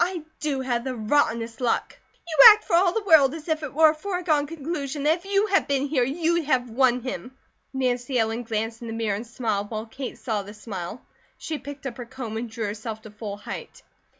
I do have the rottenest luck!" "You act for all the world as if it were a foregone conclusion that if you had been here, you'd have won him!" Nancy Ellen glanced in the mirror and smiled, while Kate saw the smile. She picked up her comb and drew herself to full height.